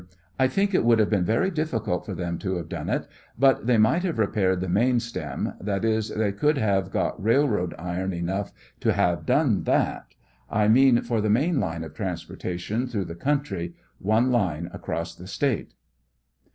I think it would have been very difficult for them to have done it, but they might have repaired the main stem ; that is, they could have got railroad iron enough to have done that ; I mean for the main line of transportation through the. country; one line across the State.